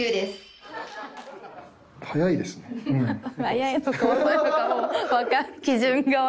速いとか遅いとかもう。